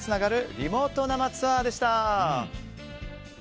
リモート生ツアーでした。